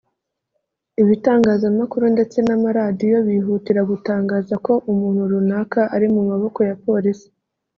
Ibitangazamakuru ndetse n’amaradiyo bihutira gutangaza ko umuntu runaka ari mu maboko ya polisi